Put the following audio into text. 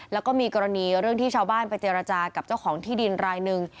แล้วก็มีกรณีเรื่องที่ชาวบ้านไปเจรจากับเจ้าของที่ดินรายหนึ่ง